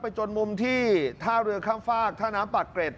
จนมุมที่ท่าเรือข้ามฟากท่าน้ำปากเกร็ด